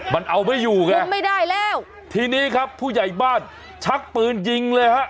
มันเอาไม่อยู่ไงเอาไม่ได้แล้วทีนี้ครับผู้ใหญ่บ้านชักปืนยิงเลยฮะ